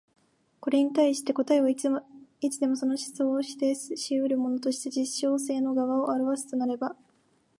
これに対して答えはいつでもその思想を否定し得るものとして実証性の側を現すとすれば、